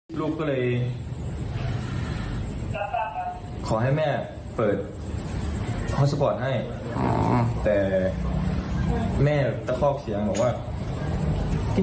ผมก็เลยถูกลูกเพราะว่าผมรักลูกไง